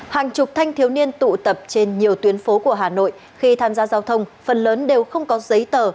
hàng chục thanh thiếu niên tụ tập trên nhiều tuyến phố của hà nội khi tham gia giao thông phần lớn đều không có giấy tờ